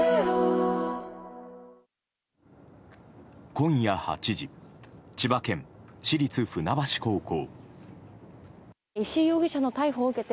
今夜８時、千葉県市立船橋高校。